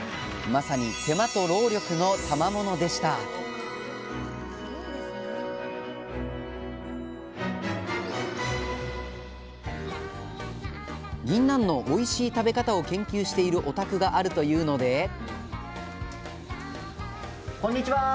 まさに手間と労力のたまものでしたぎんなんのおいしい食べ方を研究しているお宅があるというのでこんにちは。